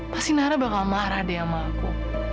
pasti nara bakal marah deh sama aku